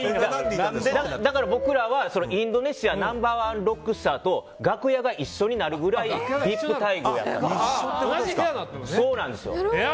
だから僕らはインドネシアナンバー１ロックスターと楽屋が一緒になるくらいＶＩＰ待遇だったんです。